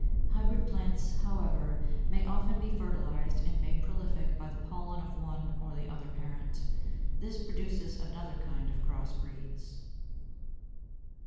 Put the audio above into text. Hybrid plants, however, may often be fertilized and made prolific by the pollen of one or the other parent. This produces another kind of cross breeds.